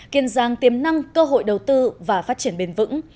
kiên giang tiềm năng cơ hội đầu tư và phát triển bền vững